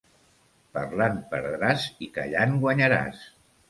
Parlant perdràs i callant guanyaràs.